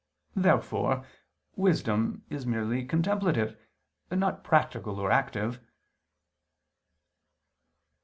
Therefore wisdom is merely contemplative, and not practical or active.